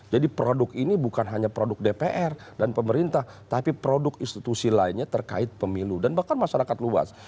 jadi produk ini bukan hanya produk dpr dan pemerintah tapi produk institusi lainnya terkait pemilu dan bahkan masyarakat luas